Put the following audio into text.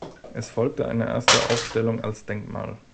Es folgte eine erste Aufstellung als Denkmal.